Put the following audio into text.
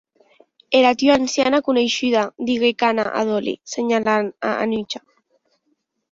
Era tua anciana coneishuda, didec Anna a Dolly, senhalant a Anuchka.